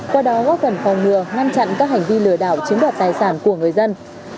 qua đó góp phần phòng ngừa ngăn chặn các hành vi lừa đảo chiếm đoạt tài sản của người dân